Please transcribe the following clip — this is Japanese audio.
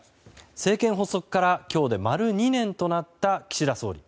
政権発足から今日で丸２年となった岸田総理。